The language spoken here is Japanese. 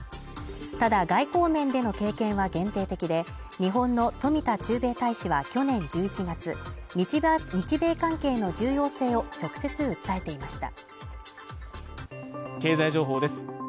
ただ外交面での経験は限定的で、日本の冨田駐米大使は去年１１月に日米関係の重要性を直接訴えていました。